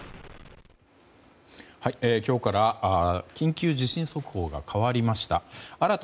今日から緊急地震速報が変わりました。